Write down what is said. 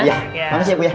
ya makasih bu ya